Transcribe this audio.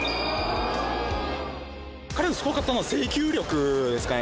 彼がすごかったのは制球力ですかね。